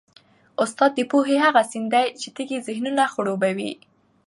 استاد د پوهې هغه سیند دی چي تږي ذهنونه خړوبوي.